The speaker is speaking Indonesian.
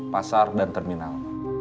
pasar dan terminal